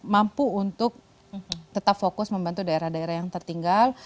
mampu untuk tetap fokus membantu daerah daerah yang tertinggal